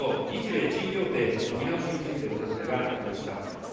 日米地位協定の見直しについてお尋ねがありました。